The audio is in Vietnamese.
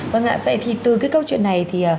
vâng ạ vậy thì từ cái câu chuyện này thì